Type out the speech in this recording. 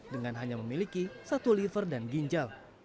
dengan hanya memiliki satu liver dan ginjal